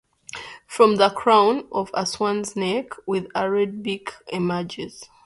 From the crown a swan's neck with a red beak emerges.